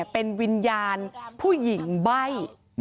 เป็นวิญญาณผู้หญิงใบ้